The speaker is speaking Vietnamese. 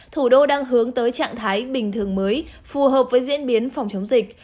thủ đô đang hướng tới trạng thái bình thường mới phù hợp với diễn biến phòng chống dịch